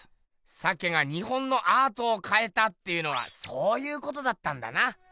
「鮭が日本のアートを変えた」っていうのはそういうことだったんだな。